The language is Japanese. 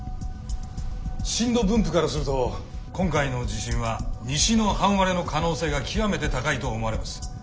震度分布からすると今回の地震は西の半割れの可能性が極めて高いと思われます。